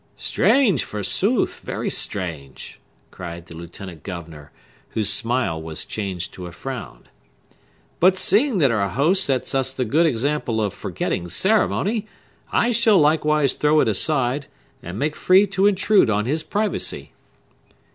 "Strange, forsooth!—very strange!" cried the lieutenant governor, whose smile was changed to a frown. "But seeing that our host sets us the good example of forgetting ceremony, I shall likewise throw it aside, and make free to intrude on his privacy."